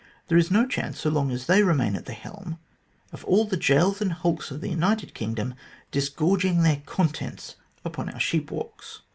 There is no chance, so long as they remain at the helm, of all the gaols and hulks of the United Kingdom disgorging their contents upon our sheep walks.